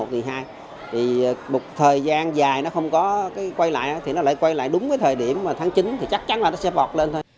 thì một thời gian dài nó không có quay lại thì nó lại quay lại đúng cái thời điểm mà tháng chín thì chắc chắn là nó sẽ bọt lên thôi